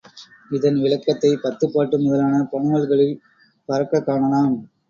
இதன் விளக்கத்தைப் பத்துப் பாட்டு முதலான பனுவல்களில் பரக்கக் காணலாம்.